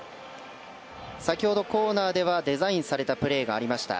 先ほど、コーナーではデザインされたプレーがありました。